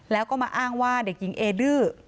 แล้วก็มาอ้างว่าเด็กหญิงเอดื้อ